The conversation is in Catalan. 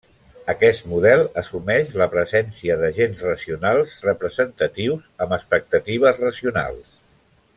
Aquest model assumeix la presència d'agents racionals representatius amb expectatives racionals.